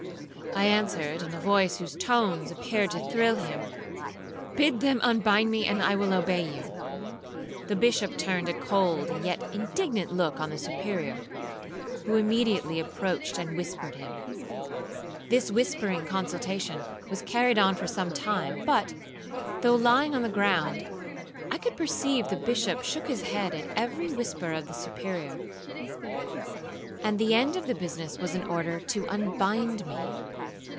I answered, in a voice whose tones appeared to thrill him, 'Bid them unbind me, and I will obey you.' The Bishop turned a cold and yet indignant look on the Superior, who immediately approached and whispered him. This whispering consultation was carried on for some time; but, though lying on the ground, I could perceive the Bishop shook his head at every whisper of the Superior; and the end of the business was an order to unbind me.